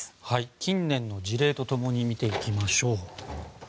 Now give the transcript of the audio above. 近年の事例と共に見ていきましょう。